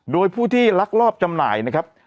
โดยผู้ที่ลักลอบจำหน่ายนะครับ